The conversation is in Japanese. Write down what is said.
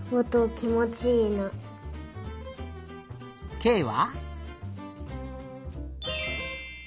けいは？